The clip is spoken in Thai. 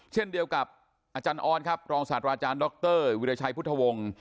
เช่นเดียวกับอาจารย์ออดครับรองสาธาราชาณดรวิรัยชัยพุทธวงศ์